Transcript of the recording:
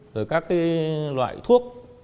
rồi các loại thuốc